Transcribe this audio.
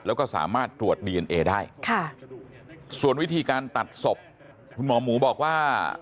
แล้วก็สามารถตรวจดีเอนเอได้ค่ะส่วนวิธีการตัดศพคุณหมอหมูบอกว่า